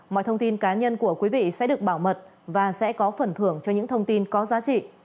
mọi thông tin cá nhân của quý vị sẽ được bảo mật và sẽ có phần thưởng cho những thông tin có giá trị